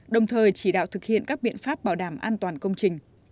đồng thời chỉ đạo thực hiện các biện pháp bảo đảm an toàn công trình